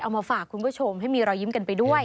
มาฝากคุณผู้ชมให้มีรอยยิ้มกันไปด้วย